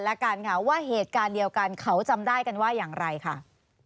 แล้วกันค่ะว่าเหตุการณ์เดียวกันเขาจำได้กันว่าอย่างไรค่ะ